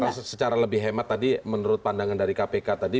kalau secara lebih hemat tadi menurut pandangan dari kpk tadi